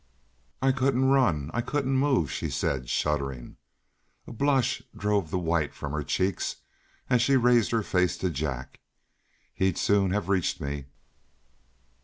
"I couldn't run I couldn't move," she said, shuddering. A blush drove the white from her cheeks as she raised her face to Jack. "He'd soon have reached me."